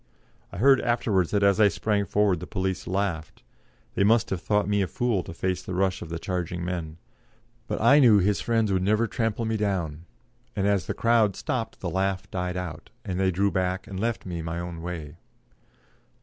I heard afterwards that as I sprang forward the police laughed they must have thought me a fool to face the rush of the charging men; but I knew his friends would never trample me down, and as the crowd stopped the laugh died out, and they drew back and left me my own way.